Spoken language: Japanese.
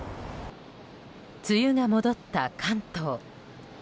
梅雨が戻った関東。